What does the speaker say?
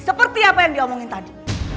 seperti apa yang dia omongin tadi